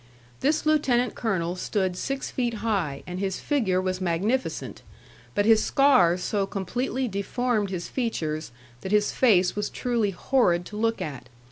This lieutenant colonel stood six feet high, and his figure was magnificent, but his scars so completely deformed his features that his face was truly horrid to look at.